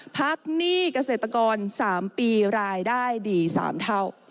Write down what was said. หนี้เกษตรกร๓ปีรายได้ดี๓เท่า